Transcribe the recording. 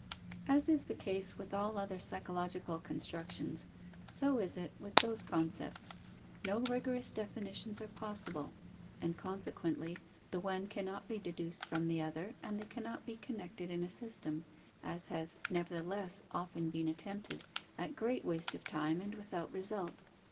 _ As is the case with all other psychological constructions, so is it with those concepts: no rigorous definitions are possible; and consequently the one cannot be deduced from the other and they cannot be connected in a system, as has, nevertheless, often been attempted, at great waste of time and without result.